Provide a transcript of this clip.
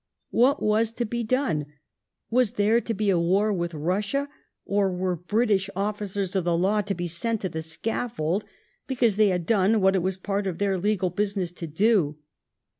What was to be done? Was there to be a war with Eussia? Or were British officers of the law to be sent to the scaffold because VOL. II. G 18 THE REIGN OF QUEEN ANNE. ch. xxi. they had done what it was part of their legal business to do